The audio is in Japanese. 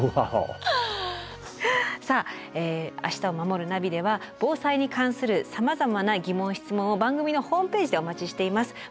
さあ「明日をまもるナビ」では防災に関するさまざまな疑問・質問を番組のホームページでお待ちしています。